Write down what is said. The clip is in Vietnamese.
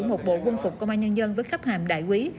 một bộ quân phục công an nhân dân với sắp hàm đại quý